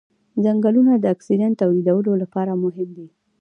ځنګلونه د اکسیجن تولیدولو لپاره مهم دي